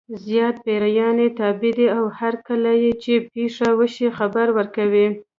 زیات پیریان یې تابع دي او هرکله چې پېښه وشي خبر ورکوي.